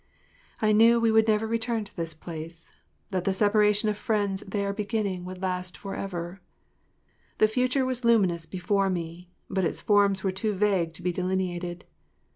I knew we would never return to this place: that the separation of friends there beginning would last forever. The future was luminous before me, but its forms were too vague to be delineated.